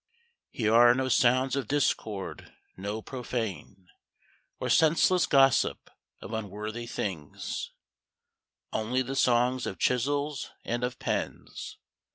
_ Here are no sounds of discord no profane _Or senseless gossip of unworthy things _ _Only the songs of chisels and of pens.